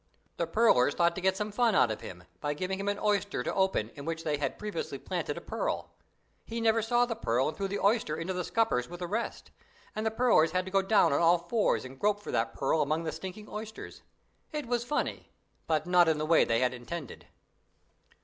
The pearlers thought to get some fun out of him by giving him an oyster to open in which they had previously planted a pearl; he never saw the pearl and threw the oyster into the scuppers with the rest, and the pearlers had to go down on all fours and grope for that pearl among the stinking oysters. It was funny but not in the way they had intended.